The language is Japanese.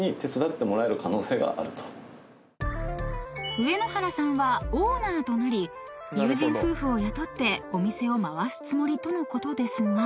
［上ノ原さんはオーナーとなり友人夫婦を雇ってお店を回すつもりとのことですが］